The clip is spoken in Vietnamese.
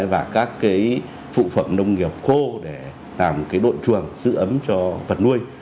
và các cái phụ phẩm nông nghiệp khô để làm cái đội chuồng giữ ấm cho vật nuôi